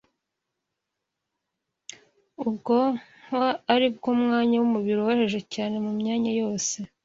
Ubwonko ari bwo mwanya w’umubiri woroheje cyane mu myanya yose,